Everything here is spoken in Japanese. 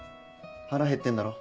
腹へってんだろ？